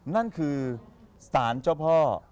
นั่นคือสารเจ้าพ่อ